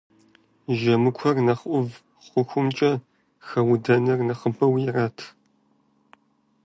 Жэмыкуэр нэхъ ӏув хъухукӏэ хэудэныр нэхъыбэу ират.